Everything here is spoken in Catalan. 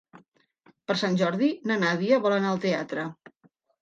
Per Sant Jordi na Nàdia vol anar al teatre.